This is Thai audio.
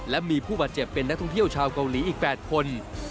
และมีผู้บาดเจ็บเป็นนักท่องเที่ยวชาวเกาหลีอีก๘คน